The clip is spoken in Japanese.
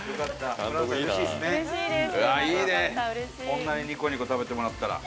こんなにニコニコ食べてもらったら。